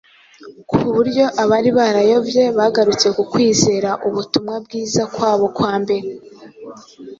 ku buryo abari barayobye bagarutse ku kwizera ubutumwa bwiza kwabo kwa mbere.